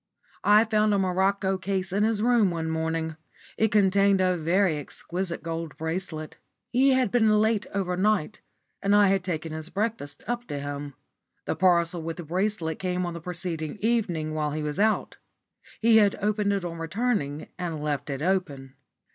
I found a morocco case in his room one morning. It contained a very exquisite gold bracelet. He had been late overnight, and I had taken his breakfast up to him. The parcel with the bracelet came on the preceding evening while he was out. He had opened it on returning and left it open.